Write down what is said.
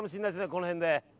この辺で。